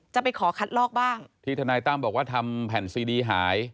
จะไปขอคัดลอกบ้างที่ทนายตั้มบอกว่าทำแผ่นซีดีหาย